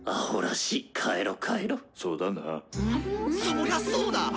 そりゃそうだ。